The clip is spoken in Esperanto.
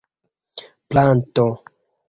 planto